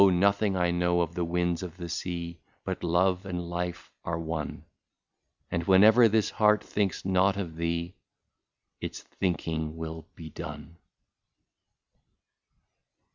nothing I know of the winds of the sea, But love and life are one ; And whenever this heart thinks not of thee, Its thinking will be done."